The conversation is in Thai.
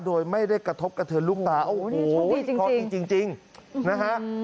โดยไม่ได้กระทบกับเธอลูกตาโอ้โหโชคดีจริงนะฮะ